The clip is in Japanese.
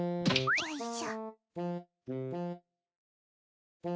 よいしょ。